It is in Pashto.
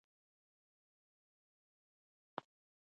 ددي هر هر اندام په عوض کي د صدقې ورکولو په ځای